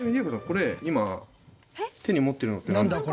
これ今手に持ってるのってなんですか？